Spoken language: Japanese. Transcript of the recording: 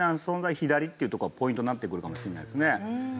左っていうところがポイントになってくるかもしれないですね。